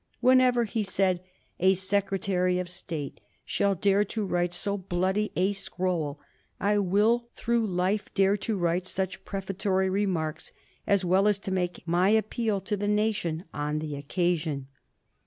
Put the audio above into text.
"Whenever," he said, "a Secretary of State shall dare to write so bloody a scroll, I will through life dare to write such prefatory remarks, as well as to make my appeal to the nation on the occasion."